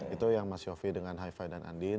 itu yang mas yofi dengan hi fi dan andin